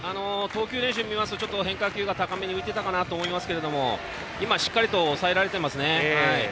投球練習を見ますと変化球が高めに浮いていたかなと思いますけどしっかりと抑えられていますね。